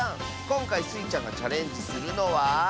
こんかいスイちゃんがチャレンジするのは？